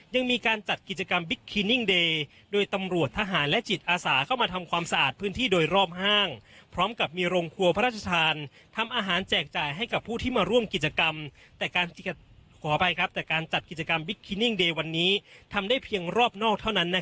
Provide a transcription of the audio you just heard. แต่การจัดกิจกรรมวิคคลินิ่งเดย์วันนี้ทำได้เพียงรอบนอกเท่านั้น